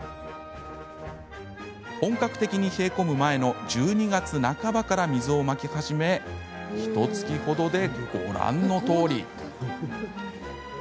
本格的に冷え込む前の１２月半ばから水をまき始めひとつきほどで、ご覧のとおり。